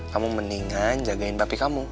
kamu mendingan jagain bapi kamu